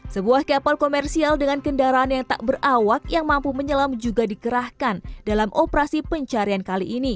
sebuah kapal komersial dengan kendaraan yang tak berawak yang mampu menyelam juga dikerahkan dalam operasi pencarian kali ini